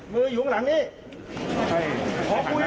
มืออยู่ข้างหลังนี่